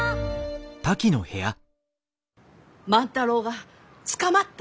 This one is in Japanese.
万太郎が捕まった？